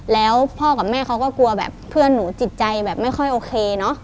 แล้วพ่อกับแม่เขาก็กลัวแบบเพื่อนหนูจิตใจแบบไม่ค่อยโอเคเนอะ